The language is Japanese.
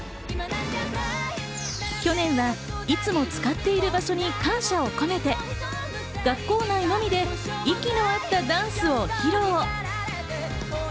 去年はいつも使っている場所に感謝を込めて学校内のみで息の合ったダンスを披露。